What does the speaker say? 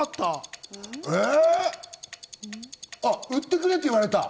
売ってくれって言われた。